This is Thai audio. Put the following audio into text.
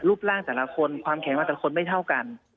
ร่างแต่ละคนความแข็งมาแต่ละคนไม่เท่ากัน